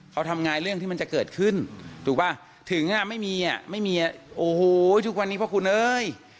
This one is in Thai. เขาทำงานเรื่องที่มันจะเกิดขึ้นถูกป่ะถึงอ่ะไม่มีอ่ะไม่มีโอ้โหทุกวันนี้พ่อคุณเอ้ย